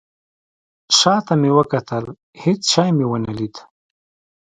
شاته مې وکتل. هیڅ شی مې ونه لید